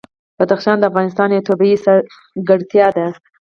بدخشان د افغانستان یوه طبیعي ځانګړتیا ده.